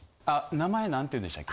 名前何て言うんでしたっけ。